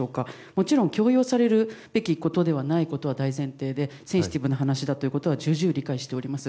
もちろん強要されるべきではないということは大前提でセンシティブな話だということは重々理解しております。